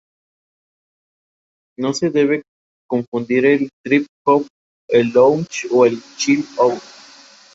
Actualmente es un museo que muestra la historia de la fundación de la ciudad.